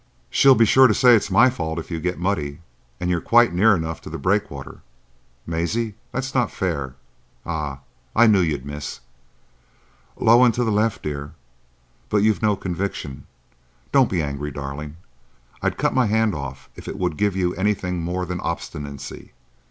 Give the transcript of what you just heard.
"She'll be sure to say it's my fault if you get muddy, and you're quite near enough to the breakwater. Maisie, that's not fair. Ah! I knew you'd miss. Low and to the left, dear. But you've no conviction. Don't be angry, darling. I'd cut my hand off if it would give you anything more than obstinacy.